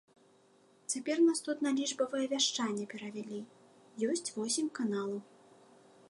Цяпер нас тут на лічбавае вяшчанне перавялі, ёсць восем каналаў.